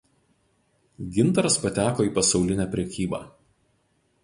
Gintaras pateko į pasaulinę prekybą.